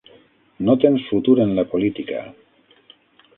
No tens futur en la política.